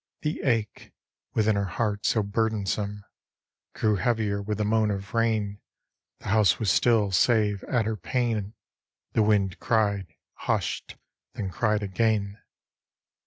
The ache Within her heart, so burdensome, Grew heavier with the moan of rain. The house was still, save, at her pane, The wind cried: hushed: then cried again.